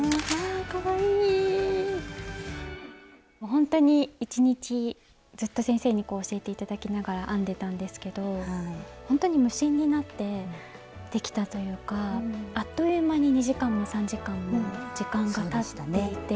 ほんとに１日ずっと先生にこう教えて頂きながら編んでたんですけどほんとに無心になってできたというかあっという間に２時間も３時間も時間がたっていて。